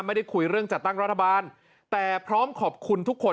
ไม่ได้คุยเรื่องจัดตั้งรัฐบาลแต่พร้อมขอบคุณทุกคน